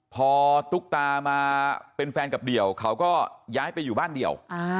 พอตุ๊กตามาเป็นแฟนกับเดี่ยวเขาก็ย้ายไปอยู่บ้านเดียว